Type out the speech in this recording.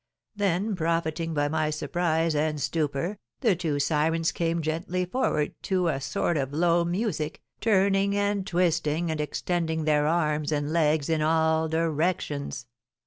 Then, profiting by my surprise and stupor, the two sirens came gently forward to a sort of low music, turning and twisting and extending their arms and legs in all directions.